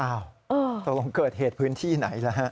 อ้าวเสริมเกิดเหตุพื้นที่ไหนหรือ